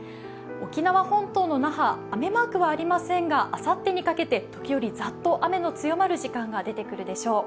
沖縄本島の那覇、雨マークはありませんがあさってにかけて時折ざっと雨の強まる時間帯が出てくるでしょう。